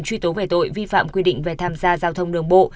truy tố về tội vi phạm quy định về tham gia giao thông đường bộ